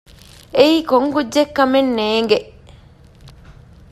އެއީ ކޮން ކުއްޖެއްކަމެއް ނޭގެ